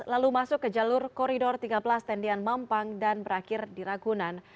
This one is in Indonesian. lalu masuk ke jalur koridor tiga belas tendian mampang dan berakhir di ragunan